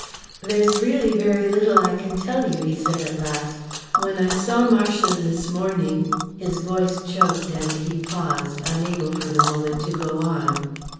"There's really very little I can tell you," he said, at last. "When I saw Marcia this morning " His voice choked, and he paused, unable, for the moment, to go on.